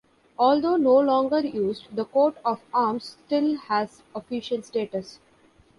Although no longer used, the coat of arms still has official status.